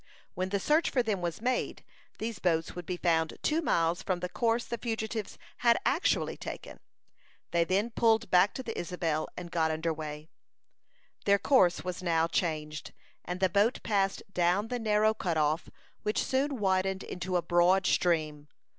When the search for them was made, these boats would be found two miles from the course the fugitives had actually taken. They then pulled back to the Isabel, and got under way again. Their course was now changed, and the boat passed down the narrow cut off, which soon widened into a broad stream.